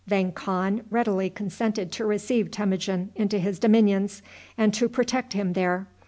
Vang Khan readily consented to receive Temujin into his dominions, and to protect him there.